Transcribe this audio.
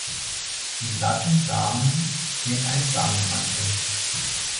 Den glatten Samen fehlt ein Samenmantel.